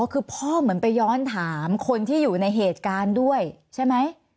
คือพ่อเหมือนไปย้อนถามคนที่อยู่ในเหตุการณ์ด้วยใช่ไหม